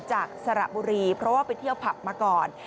สระบุรีเพราะว่าไปเที่ยวผับมาก่อน